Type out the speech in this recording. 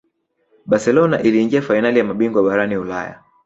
barcelona iliingia fainali ya mabingwa barani ulaya